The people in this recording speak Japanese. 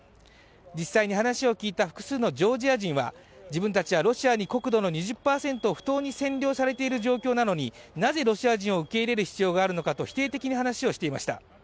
実際に話を聞いた複数のジョージア人は自分たちはロシアに国土の２０％を不当に占領されている状態なのになぜ、ロシア人を受け入れる必要があるのかと、否定的に話をしていました。